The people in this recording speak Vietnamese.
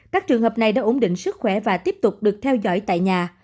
các trường hợp này đã ổn định sức khỏe và tiếp tục được theo dõi tại nhà